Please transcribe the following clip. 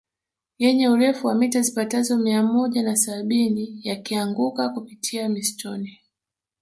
Yenye urefu wa mita zipatazo mia moja na sabini yakianguka kupitia msituni